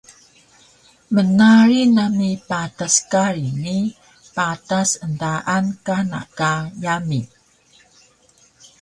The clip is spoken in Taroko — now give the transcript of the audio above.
Mnarig nami patas kari ni patas endaan kana ka yami